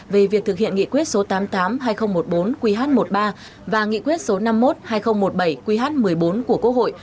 về việc thực hiện nghị quyết số tám mươi tám hai nghìn một mươi bốn qh một mươi ba và nghị quyết số năm mươi một hai nghìn một mươi bảy qh một mươi bốn của quốc hội